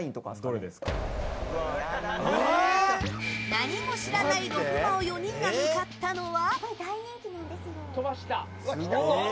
何も知らないＲＯＦ‐ＭＡＯ４人が向かったのは。